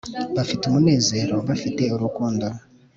Bafite umunezero bafite urukundo